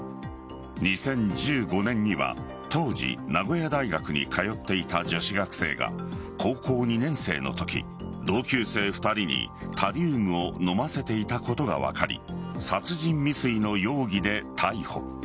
２０１５年には当時、名古屋大学に通っていた女子学生が高校２年生のとき、同級生２人にタリウムを飲ませていたことが分かり殺人未遂の容疑で逮捕。